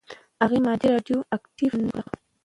هغې ماده «راډیواکټیف» نوم کړه.